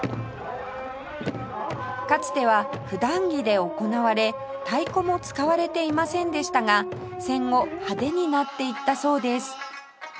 かつては普段着で行われ太鼓も使われていませんでしたが戦後派手になっていったそうです